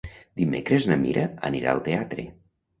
Dimecres na Mira anirà al teatre.